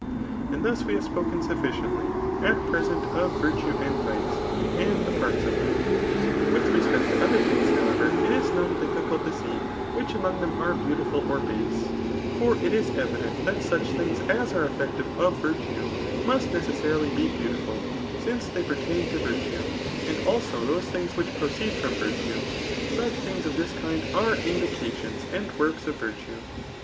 And thus we have spoken sufficiently at pre sent of virtue and vice, and the parts of them. With respect to other thmgs, however, it is not cBffi^ fiS THE AUT OF hoot, h cult to see £which among them sure beautiful or tefft^^ For it is evideat that 8uch tilings as are «£Fective of viitiM must necessarily be beautiful ; since they pertain to virtue ; and also those things which proceed fron^ virtut^ But things of this kind are the iacycations and wcffks of virtue.